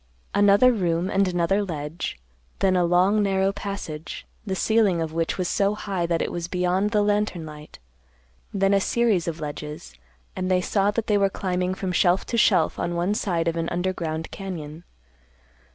Another room, and another ledge; then a long narrow passage, the ceiling of which was so high that it was beyond the lantern light; then a series of ledges, and they saw that they were climbing from shelf to shelf on one side of an underground cañon.